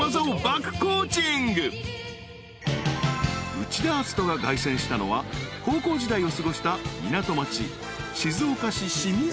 ［内田篤人が凱旋したのは高校時代を過ごした港町］